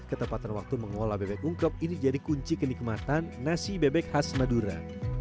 ketepatan waktu mengolah bebek ungkrop ini jadi kunci kenikmatan nasi bebek khas madura